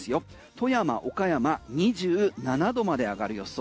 富山、岡山２７度まで上がる予想。